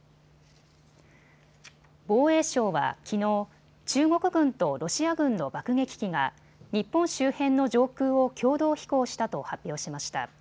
防衛省はきのう、中国軍とロシア軍の爆撃機が日本周辺の上空を共同飛行したと発表しました。